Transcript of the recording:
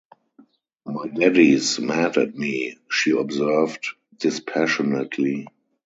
"My daddy's mad at me," she observed dispassionately.